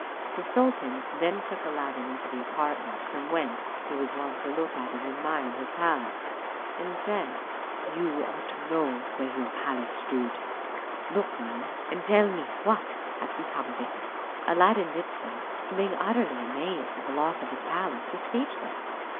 The sultan then took Aladdin into the apartment from whence he was wont to look at and admire his palace, and said, "You ought to know where your palace stood; look, mind, and tell me what has become of it." Aladdin did so, and being utterly amazed at the loss of his palace, was speechless.